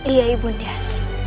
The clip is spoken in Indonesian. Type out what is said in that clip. iya ibu undang